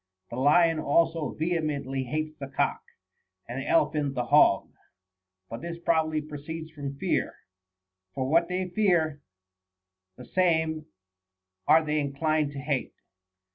The lion also vehemently hates the cock, and the elephant the hog ; but this proba bly proceeds from fear ; for what they fear, the same are they inclined to hate.